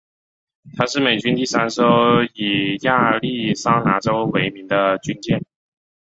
她是美军第三艘以亚利桑那州为名的军舰。